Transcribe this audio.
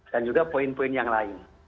dan juga poin poin yang lain